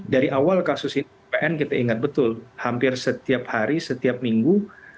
dari awal kasus ini pn kita ingat betul hampir setiap hari setiap minggu